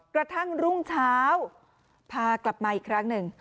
กระทั่งรุ่งเช้าพากลับมาอีกครั้งหนึ่ง